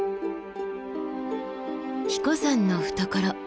英彦山の懐。